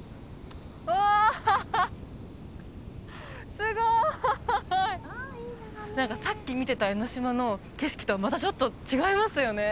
すごい！何かさっき見てた江の島の景色とはまたちょっと違いますよね